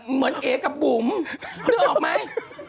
เหมือนเอกับบุหรมาก